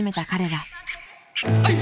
はい！